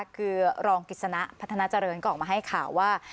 คือรองกิจสนะพัฒนาเจริญก็ออกมาให้ข่าวว่า